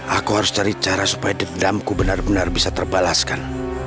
aku harus cari cara supaya dendamku benar benar bisa terbalaskan